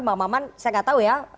mbak maman saya gak tau ya